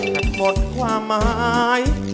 แต่หมดความหมาย